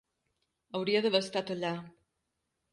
Hauria d'haver estat allà.